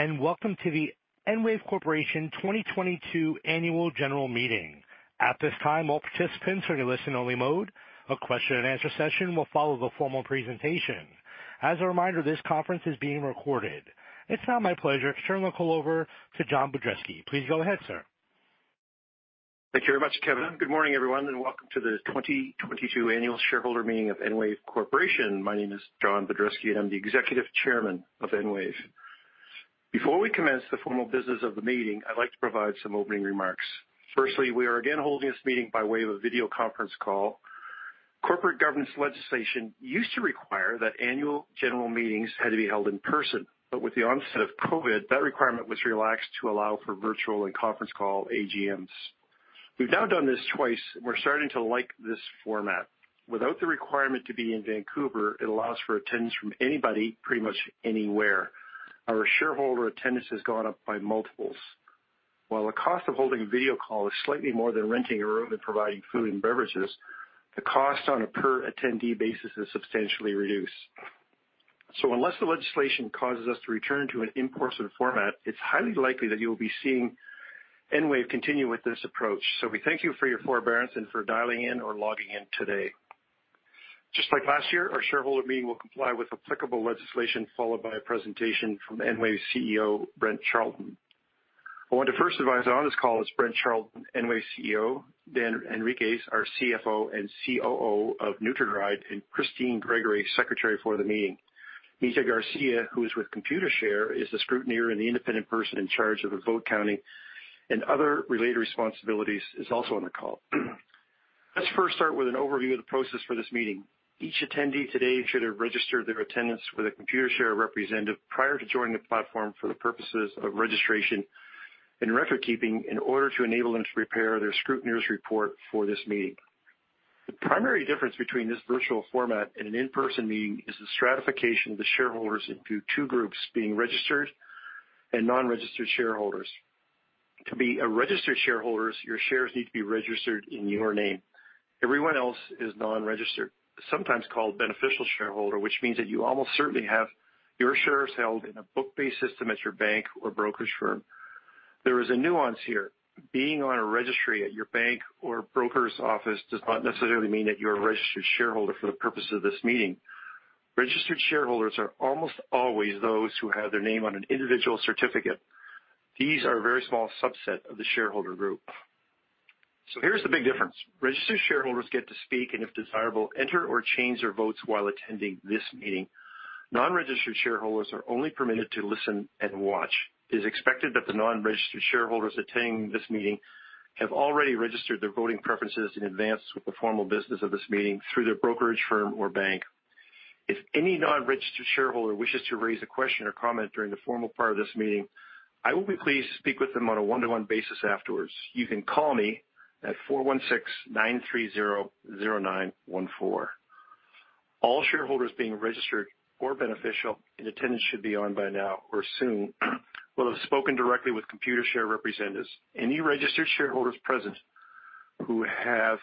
Hello, and welcome to the EnWave Corporation 2022 Annual General Meeting. At this time, all participants are in listen-only mode. A question-and-answer session will follow the formal presentation. As a reminder, this conference is being recorded. It's now my pleasure to turn the call over to John Budreski. Please go ahead, sir. Thank you very much, Kevin. Good morning, everyone, and welcome to the 2022 Annual General Meeting of EnWave Corporation. My name is John Budreski, and I'm the Executive Chairman of EnWave. Before we commence the formal business of the meeting, I'd like to provide some opening remarks. Firstly, we are again holding this meeting by way of a video conference call. Corporate governance legislation used to require that annual general meetings had to be held in person, but with the onset of COVID, that requirement was relaxed to allow for virtual and conference call AGMs. We've now done this twice. We're starting to like this format. Without the requirement to be in Vancouver, it allows for attendance from anybody, pretty much anywhere. Our shareholder attendance has gone up by multiples. While the cost of holding a video call is slightly more than renting a room and providing food and beverages, the cost on a per attendee basis is substantially reduced. So unless the legislation causes us to return to an in-person format, it's highly likely that you will be seeing EnWave continue with this approach. So we thank you for your forbearance and for dialing in or logging in today. Just like last year, our shareholder meeting will comply with applicable legislation, followed by a presentation from EnWave CEO, Brent Charlton. I want to first advise on this call is Brent Charlton, EnWave CEO, Dan Henriques, our CFO and COO of NutraDried, and Christine Gregory, secretary for the meeting. Mita Garcia, who is with Computershare, is the scrutineer and the independent person in charge of the vote counting and other related responsibilities, is also on the call. Let's first start with an overview of the process for this meeting. Each attendee today should have registered their attendance with a Computershare representative prior to joining the platform for the purposes of registration and record keeping in order to enable them to prepare their scrutineer's report for this meeting. The primary difference between this virtual format and an in-person meeting is the stratification of the shareholders into two groups being registered and non-registered shareholders. To be a registered shareholders, your shares need to be registered in your name. Everyone else is non-registered, sometimes called beneficial shareholder, which means that you almost certainly have your shares held in a book-based system at your bank or brokerage firm. There is a nuance here. Being on a registry at your bank or broker's office does not necessarily mean that you're a registered shareholder for the purpose of this meeting. Registered shareholders are almost always those who have their name on an individual certificate. These are a very small subset of the shareholder group. So here's the big difference. Registered shareholders get to speak, and if desirable, enter or change their votes while attending this meeting. Non-registered shareholders are only permitted to listen and watch. It is expected that the non-registered shareholders attending this meeting have already registered their voting preferences in advance with the formal business of this meeting through their brokerage firm or bank. If any non-registered shareholder wishes to raise a question or comment during the formal part of this meeting, I will be pleased to speak with them on a one-to-one basis afterwards. You can call me at 416-930-0914. All shareholders being registered or beneficial, and attendance should be on by now or soon, will have spoken directly with Computershare representatives. Any registered shareholders present who have,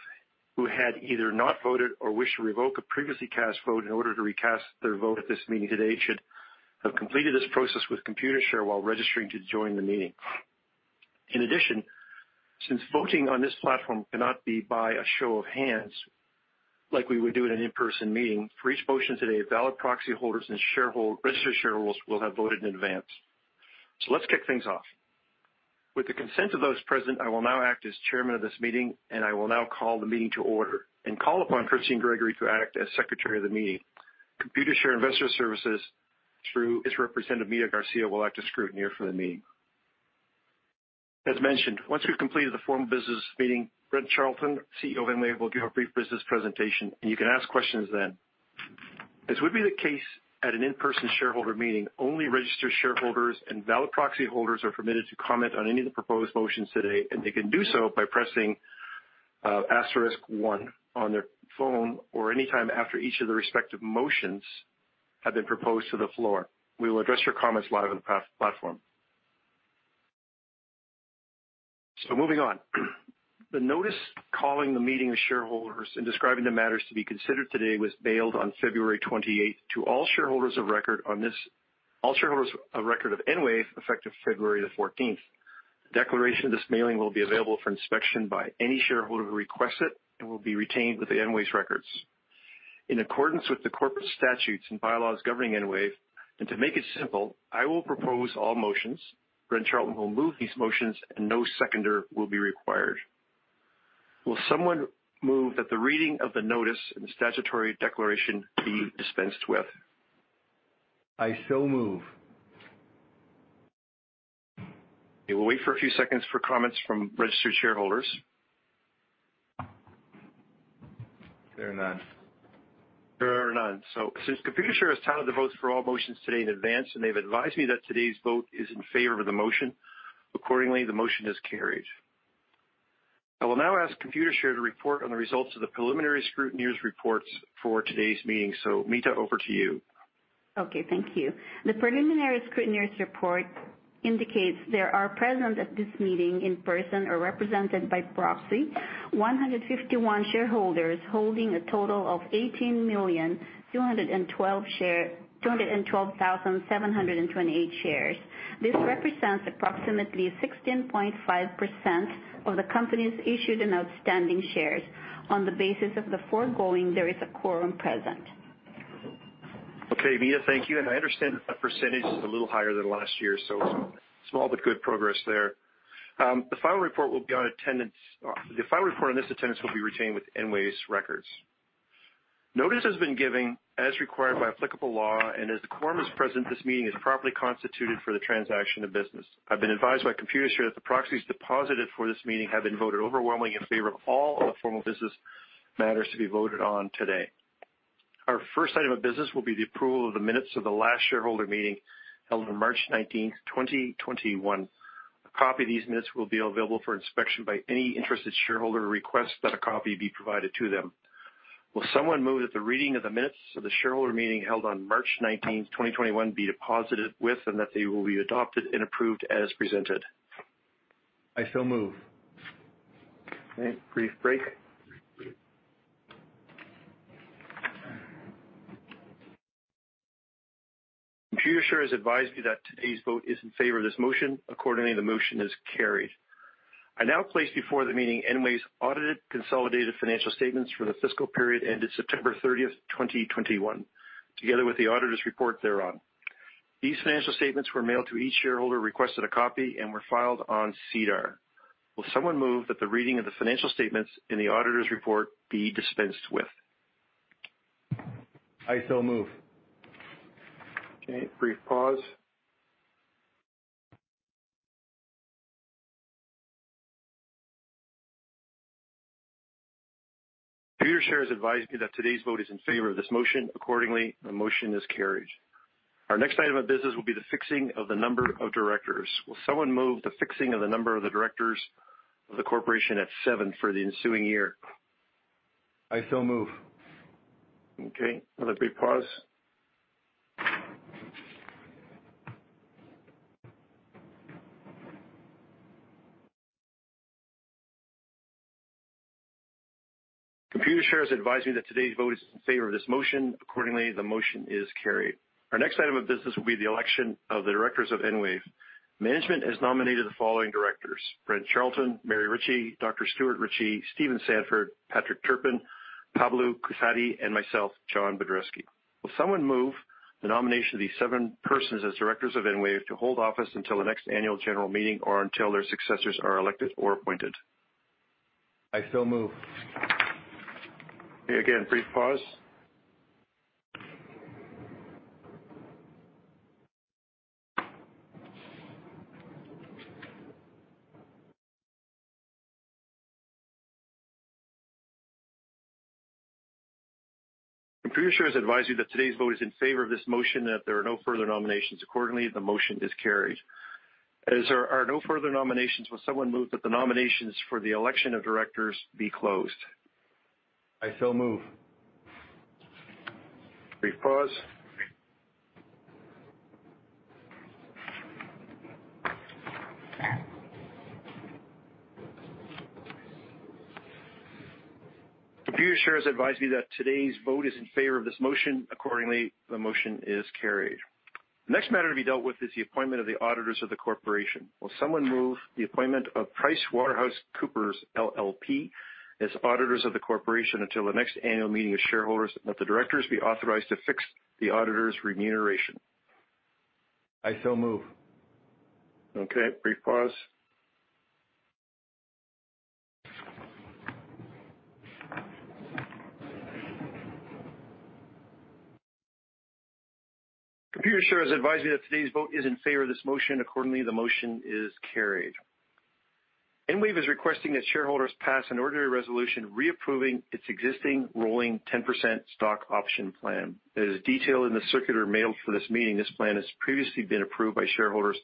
who had either not voted or wish to revoke a previously cast vote in order to recast their vote at this meeting today, should have completed this process with Computershare while registering to join the meeting. In addition, since voting on this platform cannot be by a show of hands like we would do in an in-person meeting, for each motion today, a valid proxy holders and shareholder--registered shareholders will have voted in advance. So let's kick things off. With the consent of those present, I will now act as chairman of this meeting, and I will now call the meeting to order, and call upon Christine Gregory to act as secretary of the meeting. Computershare Investor Services, through its representative, Mita Garcia, will act as scrutineer for the meeting. As mentioned, once we've completed the formal business meeting, Brent Charlton, CEO of EnWave, will give a brief business presentation, and you can ask questions then. As would be the case at an in-person shareholder meeting, only registered shareholders and valid proxy holders are permitted to comment on any of the proposed motions today, and they can do so by pressing asterisk one on their phone or anytime after each of the respective motions have been proposed to the floor. We will address your comments live on the platform. So moving on. The notice calling the meeting of shareholders and describing the matters to be considered today was mailed on February 28 to all shareholders of record on this... All shareholders of record of EnWave, effective February 14. The declaration of this mailing will be available for inspection by any shareholder who requests it and will be retained with EnWave's records. In accordance with the corporate statutes and bylaws governing EnWave, and to make it simple, I will propose all motions. Brent Charlton will move these motions, and no seconder will be required. Will someone move that the reading of the notice and the statutory declaration be dispensed with? I so move. We will wait for a few seconds for comments from registered shareholders. There are none. There are none. So since Computershare has tallied the votes for all motions today in advance, and they've advised me that today's vote is in favor of the motion, accordingly, the motion is carried. I will now ask Computershare to report on the results of the preliminary scrutineer's reports for today's meeting. So Mita, over to you. Okay, thank you. The preliminary scrutineer's report- ... indicates there are present at this meeting in person or represented by proxy, 151 shareholders holding a total of 18,212,728 shares. This represents approximately 16.5% of the company's issued and outstanding shares. On the basis of the foregoing, there is a quorum present. Okay, Mita, thank you. I understand that the percentage is a little higher than last year, so small but good progress there. The final report will be on attendance. The final report on this attendance will be retained with EnWave's records. Notice has been given as required by applicable law, and as the quorum is present, this meeting is properly constituted for the transaction of business. I've been advised by Computershare that the proxies deposited for this meeting have been voted overwhelmingly in favor of all of the formal business matters to be voted on today. Our first item of business will be the approval of the minutes of the last shareholder meeting, held on March 19, 2021. A copy of these minutes will be available for inspection by any interested shareholder who requests that a copy be provided to them. Will someone move that the reading of the minutes of the shareholder meeting held on March 19, 2021, be deposited with and that they will be adopted and approved as presented? I so move. Okay, brief break. Computershare has advised me that today's vote is in favor of this motion. Accordingly, the motion is carried. I now place before the meeting EnWave's audited consolidated financial statements for the fiscal period ended September 30, 2021, together with the auditor's report thereon. These financial statements were mailed to each shareholder, requested a copy, and were filed on SEDAR. Will someone move that the reading of the financial statements and the auditor's report be dispensed with? I so move. Okay, brief pause. Computershare has advised me that today's vote is in favor of this motion. Accordingly, the motion is carried. Our next item of business will be the fixing of the number of directors. Will someone move the fixing of the number of the directors of the corporation at seven for the ensuing year? I so move. Okay, another brief pause. Computershare has advised me that today's vote is in favor of this motion. Accordingly, the motion is carried. Our next item of business will be the election of the directors of EnWave. Management has nominated the following directors: Brent Charlton, Mary Ritchie, Dr. Stuart Ritchie, Stephen Sanford, Patrick Turpin, Pablo Cussatti, and myself, John Budreski. Will someone move the nomination of these seven persons as directors of EnWave to hold office until the next annual general meeting or until their successors are elected or appointed? I so move. Again, brief pause. Computershare has advised me that today's vote is in favor of this motion, and that there are no further nominations. Accordingly, the motion is carried. As there are no further nominations, will someone move that the nominations for the election of directors be closed? I so move. Brief pause. Computershare has advised me that today's vote is in favor of this motion. Accordingly, the motion is carried. The next matter to be dealt with is the appointment of the auditors of the corporation. Will someone move the appointment of PricewaterhouseCoopers LLP as auditors of the corporation until the next annual meeting of shareholders, that the directors be authorized to fix the auditors' remuneration? I so move. Okay, brief pause. Computershare has advised me that today's vote is in favor of this motion. Accordingly, the motion is carried. EnWave is requesting that shareholders pass an ordinary resolution, reapproving its existing rolling 10% stock option plan. As detailed in the circular mail for this meeting, this plan has previously been approved by shareholders,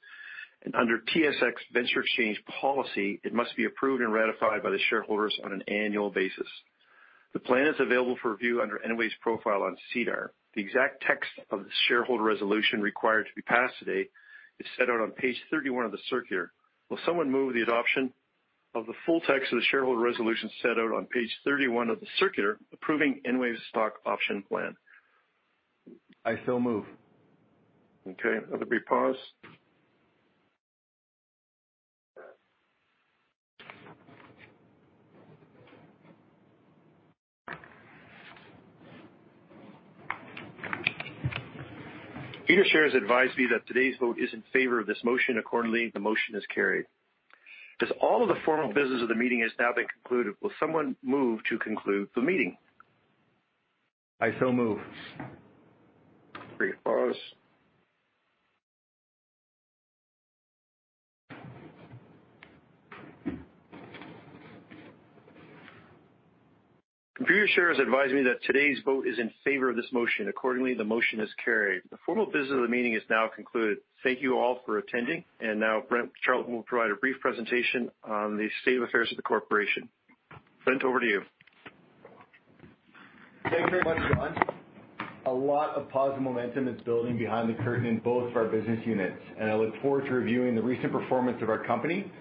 and under TSX Venture Exchange policy, it must be approved and ratified by the shareholders on an annual basis. The plan is available for review under EnWave's profile on SEDAR. The exact text of the shareholder resolution required to be passed today is set out on page 31 of the circular. Will someone move the adoption of the full text of the shareholder resolution set out on page 31 of the circular, approving EnWave's stock option plan? I so move. Okay, another brief pause. Computershare has advised me that today's vote is in favor of this motion. Accordingly, the motion is carried. As all of the formal business of the meeting has now been concluded, will someone move to conclude the meeting? I so move. Computershare has advised me that today's vote is in favor of this motion. Accordingly, the motion is carried. The formal business of the meeting is now concluded. Thank you all for attending. And now Brent Charlton will provide a brief presentation on the state of affairs of the corporation. Brent, over to you.... Thank you very much, John. A lot of positive momentum is building behind the curtain in both of our business units, and I look forward to reviewing the recent performance of our company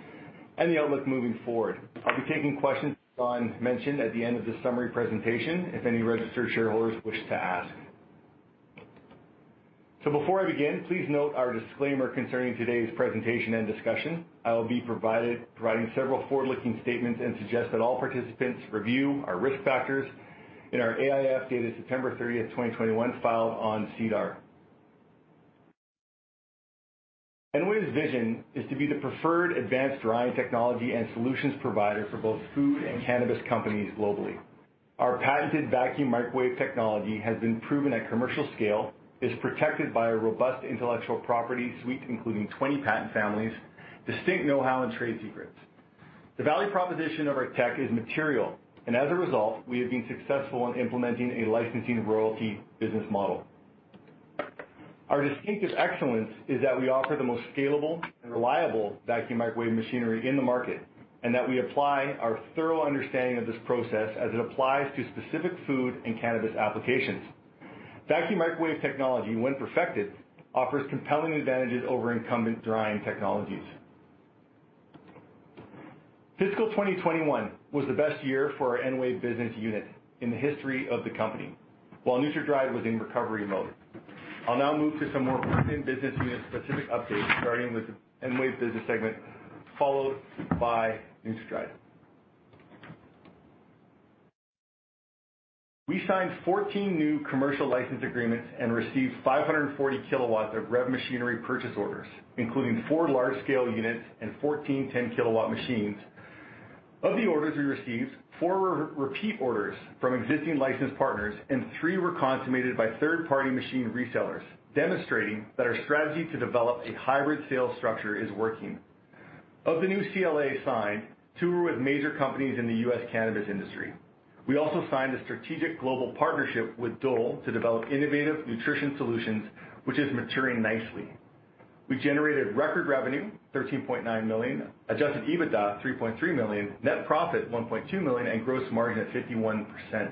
and the outlook moving forward. I'll be taking questions, as John mentioned, at the end of the summary presentation, if any registered shareholders wish to ask. So before I begin, please note our disclaimer concerning today's presentation and discussion. I will be providing several forward-looking statements and suggest that all participants review our risk factors in our AIF, dated September 30, 2021, filed on SEDAR. EnWave's vision is to be the preferred advanced drying technology and solutions provider for both food and cannabis companies globally. Our patented vacuum microwave technology has been proven at commercial scale, is protected by a robust intellectual property suite, including 20 patent families, distinct know-how, and trade secrets. The value proposition of our tech is material, and as a result, we have been successful in implementing a licensing royalty business model. Our distinctive excellence is that we offer the most scalable and reliable vacuum microwave machinery in the market, and that we apply our thorough understanding of this process as it applies to specific food and cannabis applications. Vacuum microwave technology, when perfected, offers compelling advantages over incumbent drying technologies. Fiscal 2021 was the best year for our EnWave business unit in the history of the company, while NutraDried was in recovery mode. I'll now move to some more important business unit-specific updates, starting with the EnWave business segment, followed by NutraDried. We signed 14 new commercial license agreements and received 540 kW of REV machinery purchase orders, including four large-scale units and 14 10-kW machines. Of the orders we received, four were repeat orders from existing licensed partners, and three were consummated by third-party machine resellers, demonstrating that our strategy to develop a hybrid sales structure is working. Of the new CLAs signed, two were with major companies in the U.S. cannabis industry. We also signed a strategic global partnership with Dole to develop innovative nutrition solutions, which is maturing nicely. We generated record revenue, 13.9 million, adjusted EBITDA, 3.3 million, net profit, 1.2 million, and gross margin at 51%.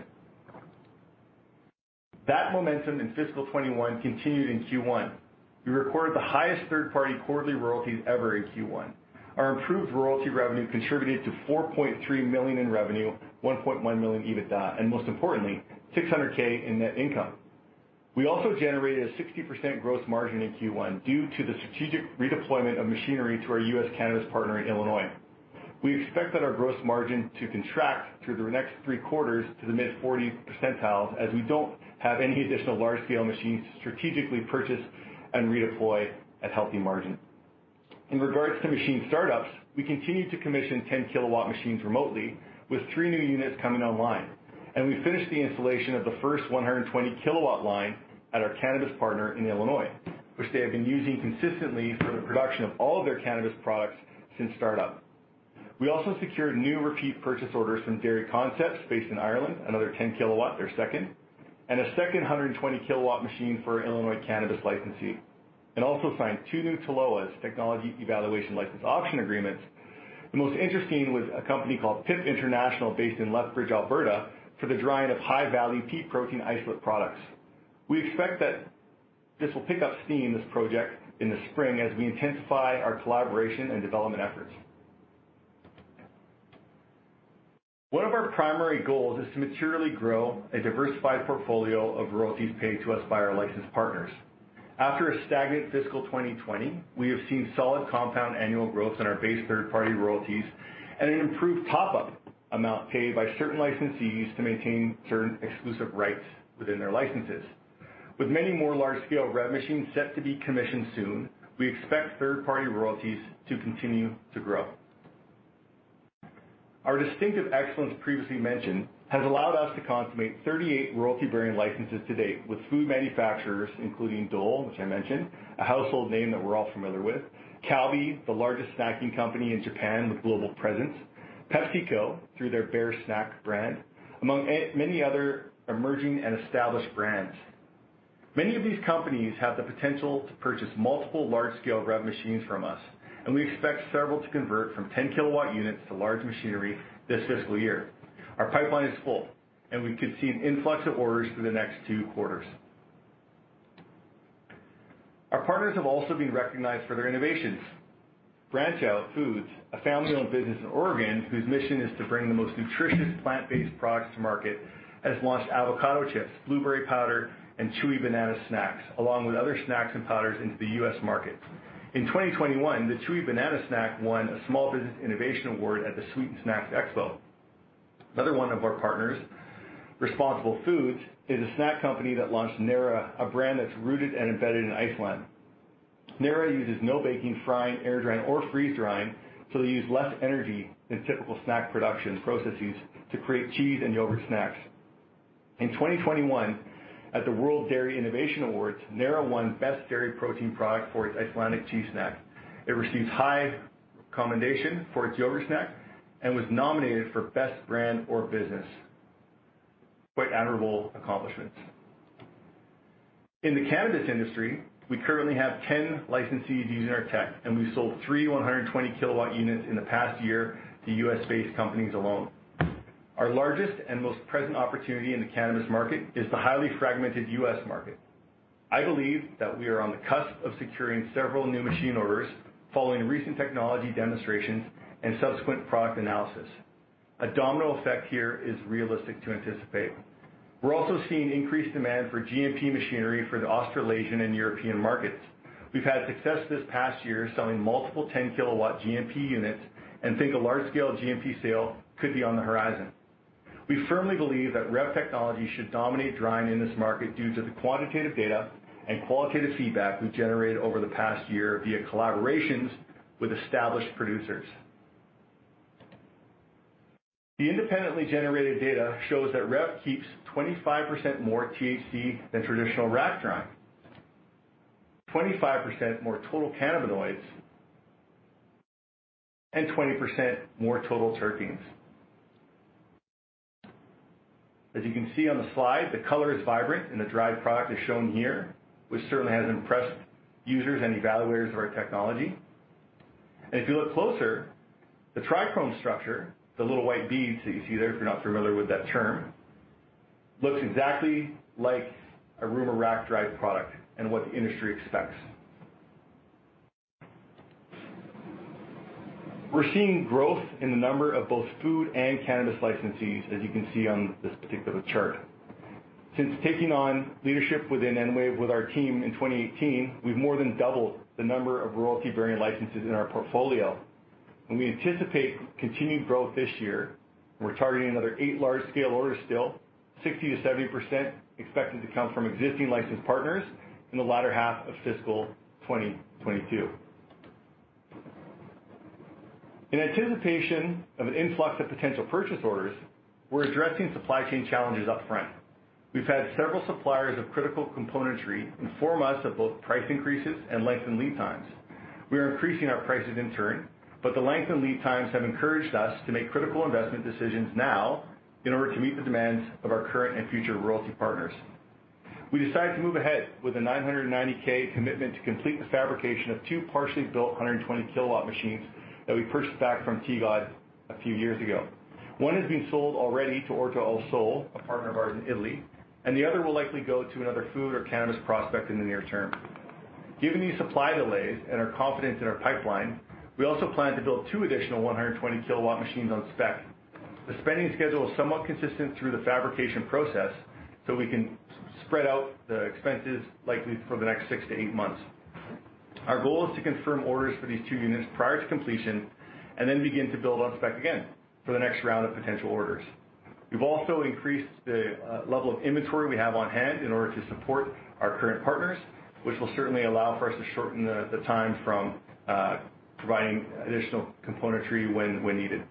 That momentum in fiscal 2021 continued in Q1. We recorded the highest third-party quarterly royalties ever in Q1. Our improved royalty revenue contributed to 4.3 million in revenue, 1.1 million EBITDA, and most importantly, 600K in net income. We also generated a 60% gross margin in Q1, due to the strategic redeployment of machinery to our U.S. cannabis partner in Illinois. We expect that our gross margin to contract through the next three quarters to the mid-40 percentiles, as we don't have any additional large-scale machines to strategically purchase and redeploy at healthy margin. In regards to machine startups, we continue to commission 10-kW machines remotely, with 3 new units coming online. We finished the installation of the first 120-kW line at our cannabis partner in Illinois, which they have been using consistently for the production of all of their cannabis products since startup. We also secured new repeat purchase orders from Dairy Concepts IRL, based in Ireland, another 10-kW, their second, and a second 120-kW machine for our Illinois cannabis licensee, and also signed two new TELOAs, Technology Evaluation and License Option Agreements. The most interesting was a company called PIP International, based in Lethbridge, Alberta, for the drying of high-value pea protein isolate products. We expect that this will pick up steam, this project, in the spring, as we intensify our collaboration and development efforts. One of our primary goals is to materially grow a diversified portfolio of royalties paid to us by our licensed partners. After a stagnant fiscal 2020, we have seen solid compound annual growth in our base third-party royalties and an improved top-up amount paid by certain licensees to maintain certain exclusive rights within their licenses. With many more large-scale REV machines set to be commissioned soon, we expect third-party royalties to continue to grow. Our distinctive excellence previously mentioned has allowed us to consummate 38 royalty-bearing licenses to date with food manufacturers, including Dole, which I mentioned, a household name that we're all familiar with. Calbee, the largest snacking company in Japan with global presence. PepsiCo, through their Bare Snacks brand, among many other emerging and established brands. Many of these companies have the potential to purchase multiple large-scale REV machines from us, and we expect several to convert from 10-kW units to large machinery this fiscal year. Our pipeline is full, and we could see an influx of orders for the next two quarters. Our partners have also been recognized for their innovations. Branch Out Foods, a family-owned business in Oregon, whose mission is to bring the most nutritious plant-based products to market, has launched avocado chips, blueberry powder, and chewy banana snacks, along with other snacks and powders into the US market. In 2021, the chewy banana snack won a Small Business Innovation Award at the Sweet Snacks Expo. Another one of our partners, Responsible Foods, is a snack company that launched Næra, a brand that's rooted and embedded in Iceland. Næra uses no baking, frying, air drying, or freeze drying, so they use less energy than typical snack production processes to create cheese and yogurt snacks. In 2021, at the World Dairy Innovation Awards, Næra won Best Dairy Protein Product for its Icelandic cheese snack. It received high commendation for its yogurt snack and was nominated for Best Brand or Business. Quite admirable accomplishments.... In the cannabis industry, we currently have 10 licensees using our tech, and we've sold three 120-kW units in the past year to U.S.-based companies alone. Our largest and most present opportunity in the cannabis market is the highly fragmented U.S. market. I believe that we are on the cusp of securing several new machine orders following recent technology demonstrations and subsequent product analysis. A domino effect here is realistic to anticipate. We're also seeing increased demand for GMP machinery for the Australasian and European markets. We've had success this past year selling multiple 10-kW GMP units and think a large-scale GMP sale could be on the horizon. We firmly believe that REV technology should dominate drying in this market due to the quantitative data and qualitative feedback we've generated over the past year via collaborations with established producers. The independently generated data shows that REV keeps 25% more THC than traditional rack drying, 25% more total cannabinoids, and 20% more total terpenes. As you can see on the slide, the color is vibrant, and the dried product is shown here, which certainly has impressed users and evaluators of our technology. And if you look closer, the trichome structure, the little white beads that you see there, if you're not familiar with that term, looks exactly like a room- or rack-dried product and what the industry expects. We're seeing growth in the number of both food and cannabis licensees, as you can see on this particular chart. Since taking on leadership within EnWave with our team in 2018, we've more than doubled the number of royalty-bearing licenses in our portfolio, and we anticipate continued growth this year. We're targeting another 8 large-scale orders still, 60%-70% expected to come from existing licensed partners in the latter half of fiscal 2022. In anticipation of an influx of potential purchase orders, we're addressing supply chain challenges upfront. We've had several suppliers of critical componentry inform us of both price increases and lengthened lead times. We are increasing our prices in turn, but the lengthened lead times have encouraged us to make critical investment decisions now in order to meet the demands of our current and future royalty partners. We decided to move ahead with a 990,000 commitment to complete the fabrication of two partially built 120-kW machines that we purchased back from TGOD a few years ago. One has been sold already to Orto Al Sole, a partner of ours in Italy, and the other will likely go to another food or cannabis prospect in the near term. Given these supply delays and our confidence in our pipeline, we also plan to build two additional 120-kW machines on spec. The spending schedule is somewhat consistent through the fabrication process, so we can spread out the expenses likely for the next six to eight months. Our goal is to confirm orders for these two units prior to completion and then begin to build on spec again for the next round of potential orders. We've also increased the level of inventory we have on hand in order to support our current partners, which will certainly allow for us to shorten the time from providing additional componentry when needed.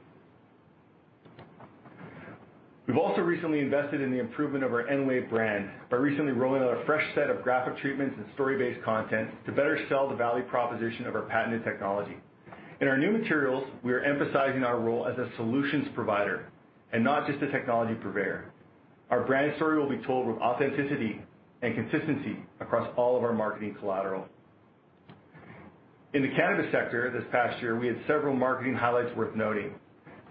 We've also recently invested in the improvement of our EnWave brand by recently rolling out a fresh set of graphic treatments and story-based content to better sell the value proposition of our patented technology. In our new materials, we are emphasizing our role as a solutions provider and not just a technology purveyor. Our brand story will be told with authenticity and consistency across all of our marketing collateral. In the cannabis sector this past year, we had several marketing highlights worth noting.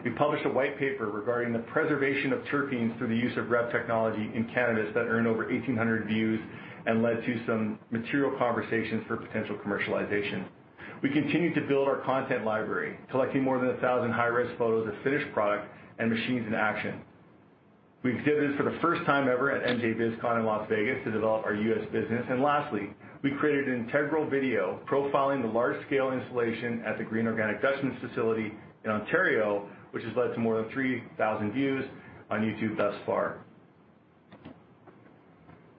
We published a white paper regarding the preservation of terpenes through the use of REV technology in cannabis that earned over 1,800 views and led to some material conversations for potential commercialization. We continued to build our content library, collecting more than 1,000 high-res photos of finished product and machines in action. We exhibited for the first time ever at MJBizCon in Las Vegas to develop our US business. And lastly, we created an integral video profiling the large-scale installation at The Green Organic Dutchman's facility in Ontario, which has led to more than 3,000 views on YouTube thus far.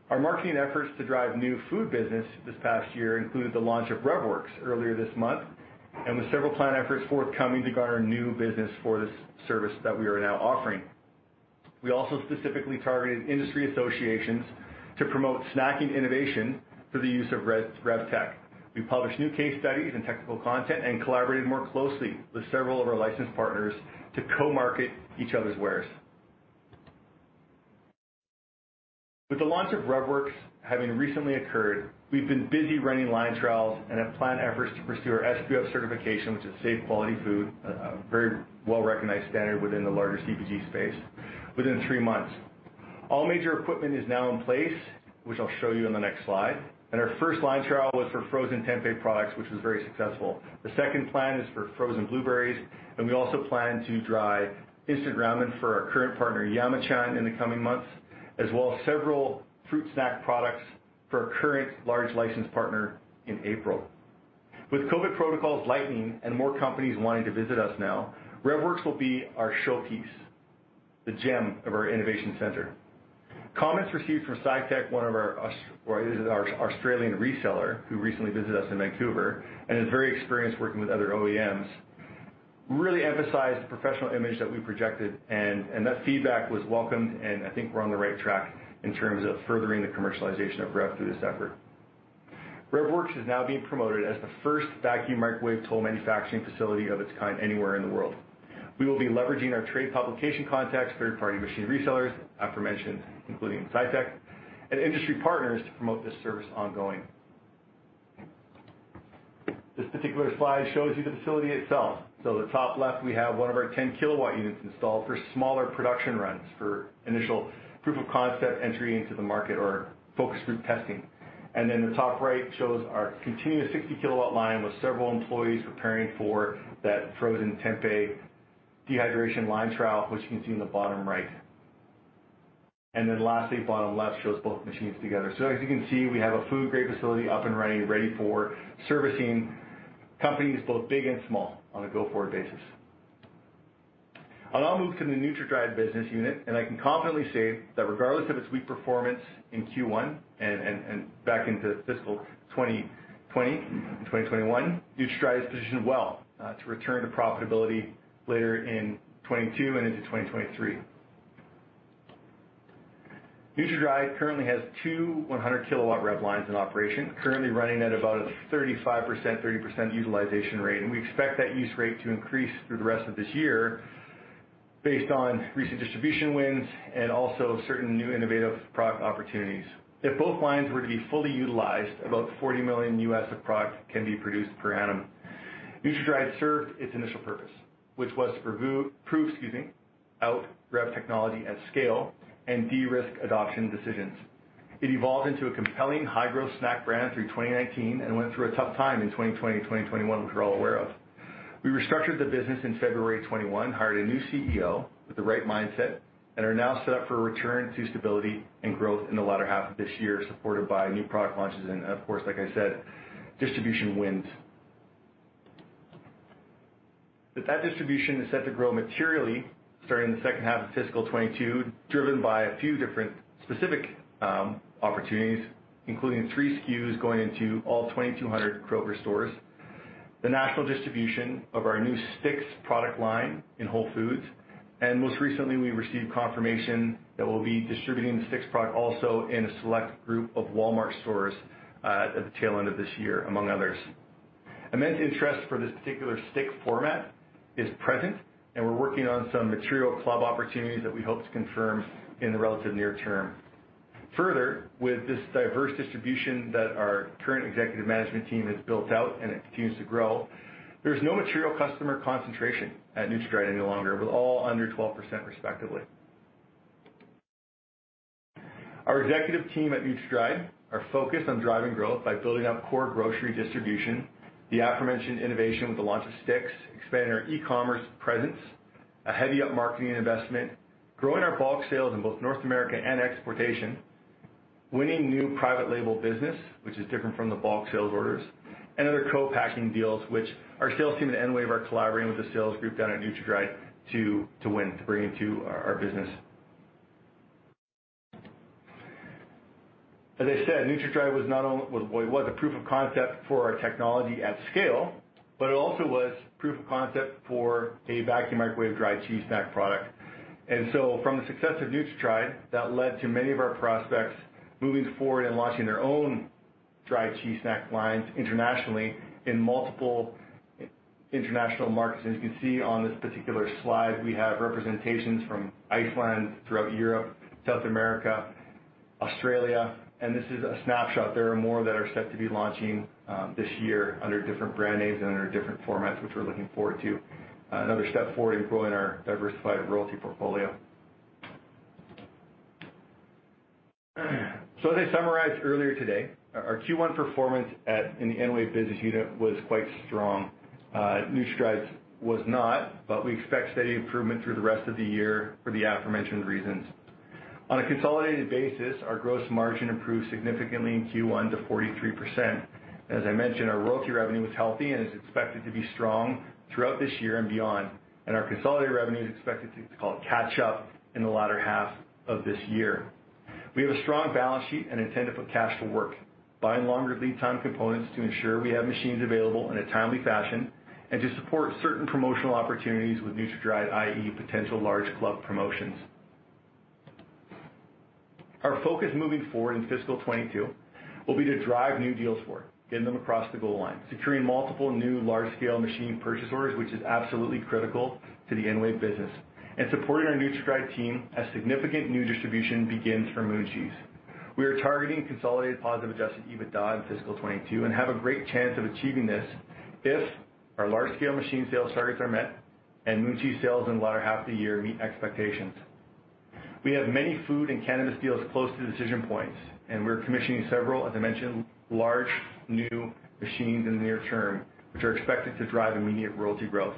Our marketing efforts to drive new food business this past year included the launch of RevWorks earlier this month, and with several planned efforts forthcoming to garner new business for this service that we are now offering. We also specifically targeted industry associations to promote snacking innovation through the use of REV tech. We published new case studies and technical content and collaborated more closely with several of our licensed partners to co-market each other's wares. With the launch of RevWorks having recently occurred, we've been busy running line trials and have planned efforts to pursue our SQF certification, which is Safe Quality Food, a very well-recognized standard within the larger CPG space, within three months. All major equipment is now in place, which I'll show you in the next slide. Our first line trial was for frozen tempeh products, which was very successful. The second plan is for frozen blueberries, and we also plan to dry instant ramen for our current partner, Yamachan, in the coming months, as well as several fruit snack products for our current large licensed partner in April. With COVID protocols lightening and more companies wanting to visit us now, RevWorks will be our showpiece, the gem of our innovation center. Comments received from Scitek, one of our Australian reseller, who recently visited us in Vancouver and is very experienced working with other OEMs, really emphasized the professional image that we projected, and that feedback was welcomed, and I think we're on the right track in terms of furthering the commercialization of REV through this effort. RevWorks is now being promoted as the first vacuum microwave toll manufacturing facility of its kind anywhere in the world. We will be leveraging our trade publication contacts, third-party machine resellers, aforementioned, including Scitek, and industry partners to promote this service ongoing. This particular slide shows you the facility itself. So the top left, we have one of our 10-kW units installed for smaller production runs, for initial proof of concept entry into the market or focus group testing. And then the top right shows our continuous 60-kW line, with several employees preparing for that frozen tempeh dehydration line trial, which you can see in the bottom right. And then lastly, bottom left shows both machines together. So as you can see, we have a food-grade facility up and running, ready for servicing companies both big and small on a go-forward basis. I'll now move to the NutraDried business unit, and I can confidently say that regardless of its weak performance in Q1 and back into fiscal 2020, 2021, NutraDried is positioned well, to return to profitability later in 2022 and into 2023. NutraDried currently has two 100-kW REV lines in operation, currently running at about a 35%, 30% utilization rate. And we expect that use rate to increase through the rest of this year based on recent distribution wins and also certain new innovative product opportunities. If both lines were to be fully utilized, about $40 million of product can be produced per annum. NutraDry served its initial purpose, which was to prove, excuse me, out REV technology at scale and de-risk adoption decisions. It evolved into a compelling high-growth snack brand through 2019 and went through a tough time in 2020, 2021, which we're all aware of. We restructured the business in February 2021, hired a new CEO with the right mindset, and are now set up for a return to stability and growth in the latter half of this year, supported by new product launches, and of course, like I said, distribution wins. But that distribution is set to grow materially starting in the second half of fiscal 2022, driven by a few different specific opportunities, including 3 SKUs going into all 2,200 Kroger stores, the national distribution of our new Sticks product line in Whole Foods, and most recently, we received confirmation that we'll be distributing the Sticks product also in a select group of Walmart stores at the tail end of this year, among others. Immense interest for this particular Stick format is present, and we're working on some material club opportunities that we hope to confirm in the relative near term. Further, with this diverse distribution that our current executive management team has built out and it continues to grow, there's no material customer concentration at NutraDried any longer, with all under 12% respectively. Our executive team at NutraDry are focused on driving growth by building out core grocery distribution, the aforementioned innovation with the launch of Sticks, expanding our e-commerce presence, a heavy up-marketing investment, growing our bulk sales in both North America and exportation, winning new private label business, which is different from the bulk sales orders, and other co-packing deals, which our sales team at EnWave are collaborating with the sales group down at NutraDry to win, to bring into our business. As I said, NutraDry was not only... Well, it was a proof of concept for our technology at scale, but it also was proof of concept for a vacuum microwave dried cheese snack product. And so from the success of NutraDry, that led to many of our prospects moving forward and launching their own dried cheese snack lines internationally in multiple international markets. As you can see on this particular slide, we have representations from Iceland, throughout Europe, South America, Australia, and this is a snapshot. There are more that are set to be launching this year under different brand names and under different formats, which we're looking forward to. Another step forward in growing our diversified royalty portfolio. So as I summarized earlier today, our, our Q1 performance in the EnWave business unit was quite strong. NutraDried's was not, but we expect steady improvement through the rest of the year for the aforementioned reasons. On a consolidated basis, our gross margin improved significantly in Q1 to 43%. As I mentioned, our royalty revenue was healthy and is expected to be strong throughout this year and beyond, and our consolidated revenue is expected to catch up in the latter half of this year. We have a strong balance sheet and intent to put cash to work, buying longer lead time components to ensure we have machines available in a timely fashion, and to support certain promotional opportunities with NutraDried, i.e., potential large club promotions. Our focus moving forward in fiscal 2022 will be to drive new deals forward, get them across the goal line, securing multiple new large-scale machine purchase orders, which is absolutely critical to the EnWave business, and supporting our NutraDried team as significant new distribution begins for Moon Cheese. We are targeting consolidated positive adjusted EBITDA in fiscal 2022 and have a great chance of achieving this if our large-scale machine sales targets are met and Moon Cheese sales in the latter half of the year meet expectations. We have many food and cannabis deals close to decision points, and we're commissioning several, as I mentioned, large, new machines in the near term, which are expected to drive immediate royalty growth.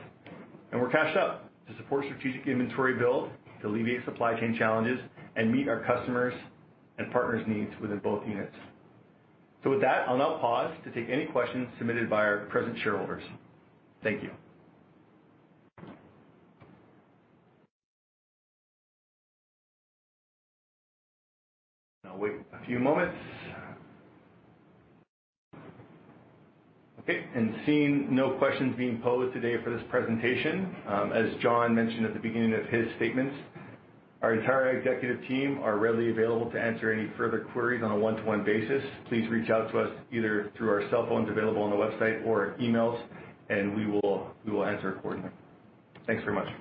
We're cashed up to support strategic inventory build, to alleviate supply chain challenges, and meet our customers' and partners' needs within both units. With that, I'll now pause to take any questions submitted by our present shareholders. Thank you. I'll wait a few moments. Okay, seeing no questions being posed today for this presentation, as John mentioned at the beginning of his statements, our entire executive team are readily available to answer any further queries on a one-to-one basis. Please reach out to us either through our cell phones available on the website or emails, and we will, we will answer accordingly. Thanks very much.